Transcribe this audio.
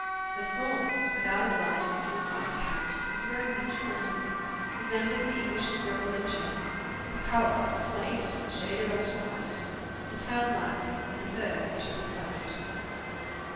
The smallest, about as large as a full sized cat, is a very beautiful animal, resembling the English squirrel in shape; the colour, slate shaded off to white ; the tail black, and the fur beautifully soft.